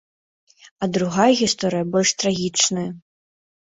А другая гісторыя больш трагічная.